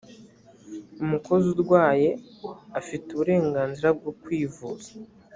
umukozi urwaye afite uburenganzira bwo kwivuza.